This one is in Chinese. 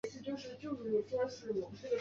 该药可能让人上瘾甚至致死。